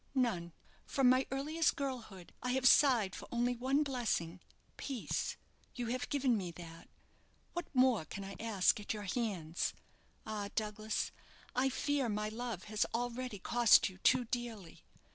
"None. Prom my earliest girlhood I have sighed for only one blessing peace! You have given me that. What more can I ask at your hands? Ah! Douglas, I fear my love has already cost you too dearly.